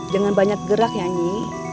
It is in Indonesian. jangan banyak gerak yanyi